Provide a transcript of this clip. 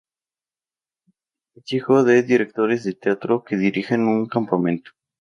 Es hijo de directores de Teatro que dirigen un campamento.